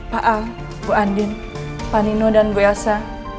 pak a bu andin pak nino dan bu elsa